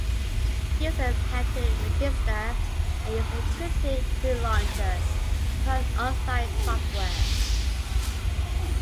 Users had to register and use an encrypted "Free Launcher" to run unsigned software.